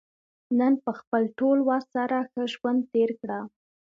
نن په خپل ټول وس سره ښه ژوند تېر کړه.